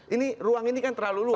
ini ruang ini kan terlalu luas